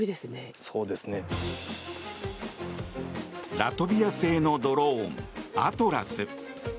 ラトビア製のドローンアトラス。